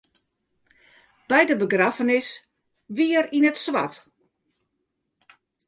By de begraffenis wie er yn it swart.